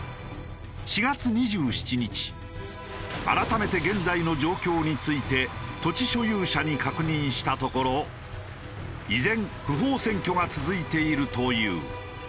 ４月２７日改めて現在の状況について土地所有者に確認したところ依然不法占拠が続いているという。